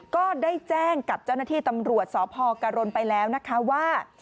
ก็ได้แจ้งกับเจ้าหน้าที่ตำรวจสพกรณไปแล้วนะคะว่า